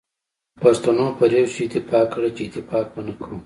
پښتنو پر یو شی اتفاق کړی چي اتفاق به نه کوو.